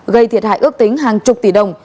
gây thiệt hại ước tính hàng chục tỷ đồng